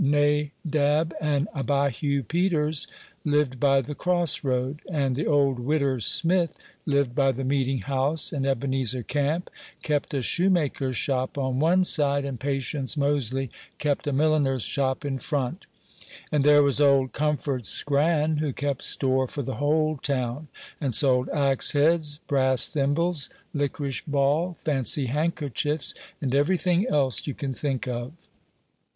Nadab and Abihu Peters lived by the cross road, and the old "widder" Smith lived by the meeting house, and Ebenezer Camp kept a shoemaker's shop on one side, and Patience Mosely kept a milliner's shop in front; and there was old Comfort Scran, who kept store for the whole town, and sold axe heads, brass thimbles, licorice ball, fancy handkerchiefs, and every thing else you can think of.